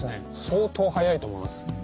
相当速いと思います。